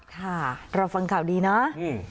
ค่ะเราฟังข่าวดีเนาะ